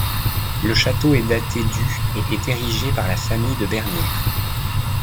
Le château est daté du et est érigé par la famille de Bernières.